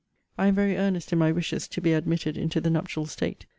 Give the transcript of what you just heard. I am very earnest in my wishes to be admitted into the nuptial state.